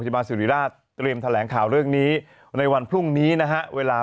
ศิริราชเตรียมแถลงข่าวเรื่องนี้ในวันพรุ่งนี้นะฮะเวลา